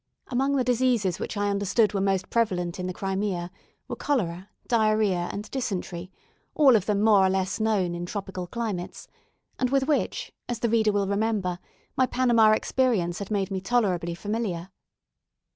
Among the diseases which I understood were most prevalent in the Crimea were cholera, diarrhoea, and dysentery, all of them more or less known in tropical climates; and with which, as the reader will remember, my Panama experience had made me tolerably familiar.